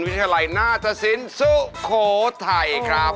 วิทยาลัยนาศสินสุโคไทย